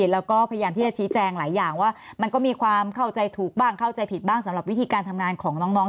แล้วก็พยายามที่จะชี้แจงหลายอย่างว่ามันก็มีความเข้าใจถูกบ้างเข้าใจผิดบ้างสำหรับวิธีการทำงานของน้อง